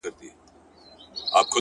سبا چي راسي د سبــا له دره ولــوېږي”